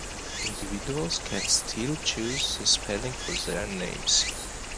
Individuals can still choose the spellings for their names.